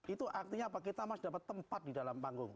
itu artinya apa kita masih dapat tempat di dalam panggung